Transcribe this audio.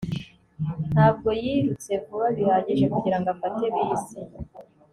ntabwo yirutse vuba bihagije kugirango afate bisi